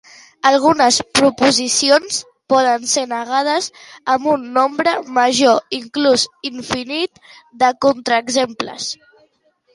Algunes proposicions poden ser negades amb un nombre major, inclús infinit de contraexemples.